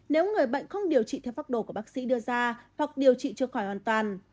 nếu người bệnh không điều trị theo pháp đồ của bác sĩ đưa ra hoặc điều trị cho khỏi hoàn toàn